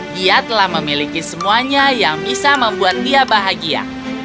dia telah memiliki semuanya yang bisa membuat dia bahagia